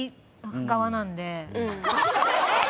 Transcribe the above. えっ？